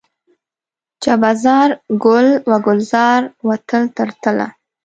جبه زار، ګل و ګلزار و تل تر تله